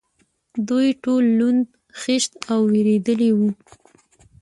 دوی ټول لوند، خېشت او وېرېدلي و.